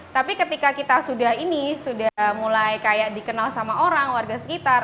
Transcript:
tapi ketika kita sudah ini sudah mulai kayak dikenal sama orang warga sekitar